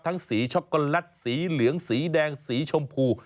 สีช็อกโกแลตสีเหลืองสีแดงสีชมพู